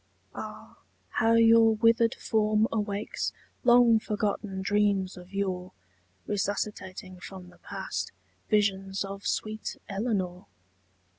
Ah, how your withered form awakes Long forgotten dreams of yore Resuscitating from the past Visions of sweet Eleanor!